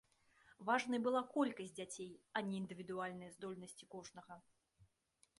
Важнай была колькасць дзяцей, а не індывідуальныя здольнасці кожнага.